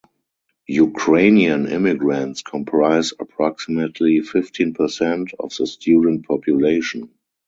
Ukrainian immigrants comprise approximately fifteen percent of the student population.